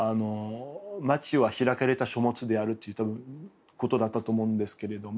「街は開かれた書物である」といったことだったと思うんですけれども。